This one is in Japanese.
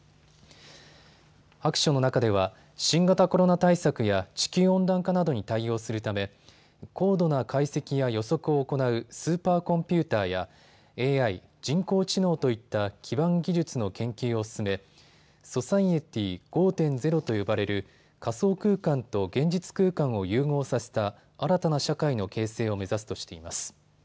白書の中では新型コロナ対策や地球温暖化などに対応するため高度な解析や予測を行うスーパーコンピューターやＡＩ・人工知能といった基盤技術の研究を進めＳｏｃｉｅｔｙ５．０と呼ばれる仮想空間と現実空間を融合させた新たな社会の形成を目指すとしています。